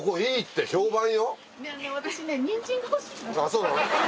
そうなの？